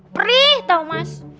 perih tau mas